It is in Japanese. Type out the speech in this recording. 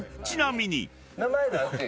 ちなみに］